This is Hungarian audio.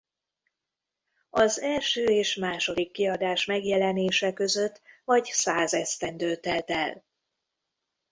Az első és második kiadás megjelenése között vagy száz esztendő telt el.